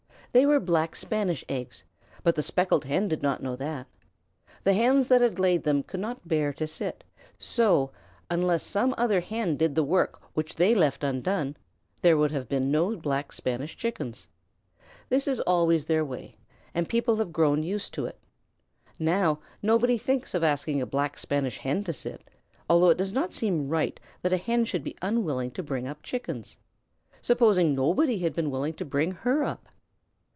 They were Black Spanish eggs, but the Speckled Hen did not know that. The Hens that had laid them could not bear to sit, so, unless some other Hen did the work which they left undone, there would have been no Black Spanish Chickens. This is always their way, and people have grown used to it. Now nobody thinks of asking a Black Spanish Hen to sit, although it does not seem right that a Hen should be unwilling to bring up chickens. Supposing nobody had been willing to bring her up?